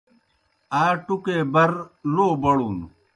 آ ٹُکے بر لو بڑُن۔